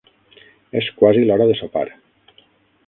És quasi l"hora de sopar.